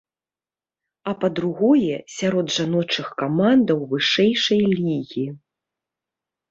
А па другое, сярод жаночых камандаў вышэйшай лігі.